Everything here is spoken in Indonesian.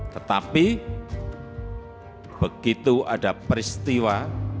tetapi begitu ada peristiwa